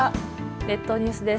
列島ニュースです。